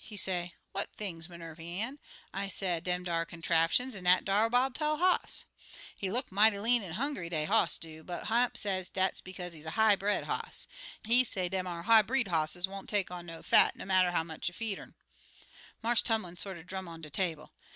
He say, 'What things, Minervy Ann?' I low, 'Dem ar contraptions, an' dat ar bob tail hoss. He look mighty lean an' hongry, de hoss do, but Hamp he say dat's bekaze he's a high bred hoss. He say dem ar high bred hosses won't take on no fat, no matter how much you feed urn.' "Marse Tumlin sorter drum on de table.